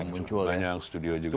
banyak studio juga